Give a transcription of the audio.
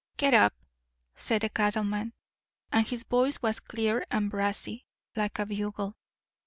"Get up," said the cattleman, and his voice was clear and brassy, like a bugle.